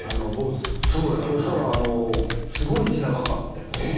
そうしたらすごい白髪があって。